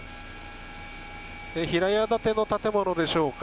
平屋建ての建物でしょうか。